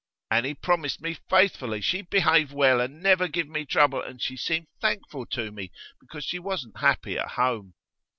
Annie promised me faithfully she'd behave well, and never give me trouble, and she seemed thankful to me, because she wasn't happy at home.